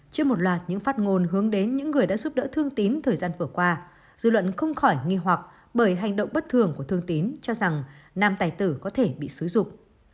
trước một loạt những phát ngôn hướng đến những người đã giúp đỡ thương tín thời gian vừa qua dư luận không khỏi nghi hoặc bởi hành động bất thường của thương tín cho rằng nam tài tử có thể bị xúi dục